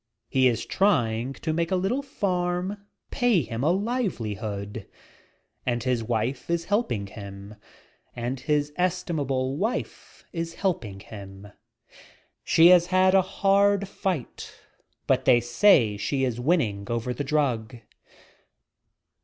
He is trying to make a little farm pay 19 ■ 18 DOPE! a him a livelihood, and his estimable wife is helping him. She has had a hard fight, but they say she is winning over the drug.